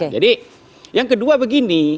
jadi yang kedua begini